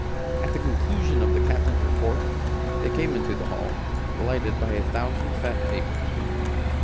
At the conclusion of the captain's report, they came into the hall, lighted by a thousand fat tapers.